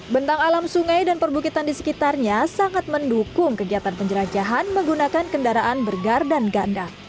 bentang alam sungai dan perbukitan di sekitarnya sangat mendukung kegiatan penjelajahan menggunakan kendaraan bergar dan ganda